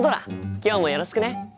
今日もよろしくね。